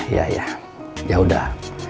ya ya yaudah